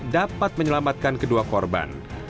dapat menyelamatkan kedua korban